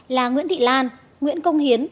là nguyễn thị lan nguyễn công hiến